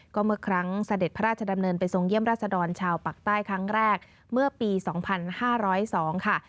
ก็เมื่อครั้งเสด็จพระราชดำเนินไปทรงเยี่ยมราชดรชาวปากใต้ครั้งแรกเมื่อปี๒๕๐๒ค่ะ